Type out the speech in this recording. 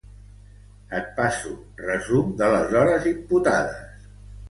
Et passo resum de les hores imputades.